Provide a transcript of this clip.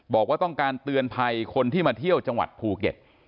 บอกว่าต้องการเตือนภัยคนที่มาเที่ยวจังหวัดภูเก็ต